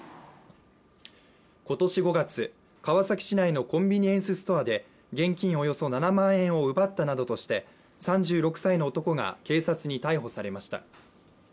今年５月、川崎市内のコンビニエンスストアで現金およそ７万円を奪ったなどとして３６歳の男が警察に逮捕されました。